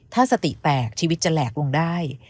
ถ้าสติแตกชีวิตจะแหลกลงได้